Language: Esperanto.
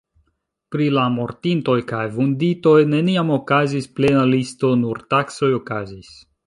Pri la mortintoj kaj vunditoj neniam okazis plena listo nur taksoj okazis.